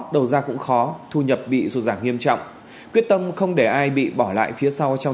đầu ra cũng khó thu nhập bị sụt giảm nghiêm trọng quyết tâm không để ai bị bỏ lại phía sau trong